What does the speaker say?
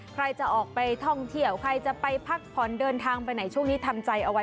ใครจะออกไปท่องเที่ยวใครจะไปพักผ่อนเดินทางไปไหนช่วงนี้ทำใจเอาไว้